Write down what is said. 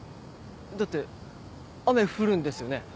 だって雨降るんですよね？